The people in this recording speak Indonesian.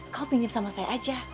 kau pinjam sama saya aja